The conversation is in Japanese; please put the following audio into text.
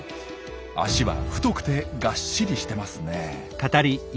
脚は太くてがっしりしてますね。